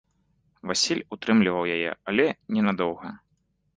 Васіль утрымліваў яе, але ненадоўга.